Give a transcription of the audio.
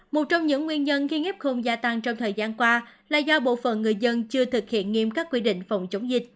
một trong những nguyên nhân khiến f gia tăng trong thời gian qua là do bộ phần người dân chưa thực hiện nghiêm các quy định phòng chống dịch